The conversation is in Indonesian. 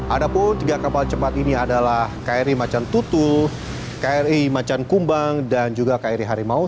ada pun tiga kapal cepat ini adalah kri macan tutu kri macan kumbang dan juga kri harimau